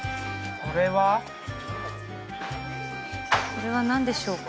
これは何でしょうか？